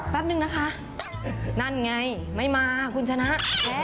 แป๊บนึงนะคะนั่นไงไม่มาคุณชนะ